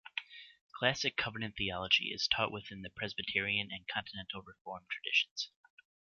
Classical covenant theology is taught within the Presbyterian and Continental Reformed traditions.